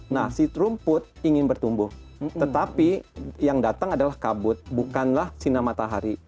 nah si rumput ingin bertumbuh tetapi yang datang adalah kabut bukanlah sinar matahari